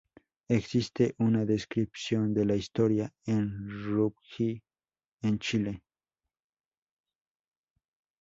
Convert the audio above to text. Existe una descripción de la historia en Rugby en Chile.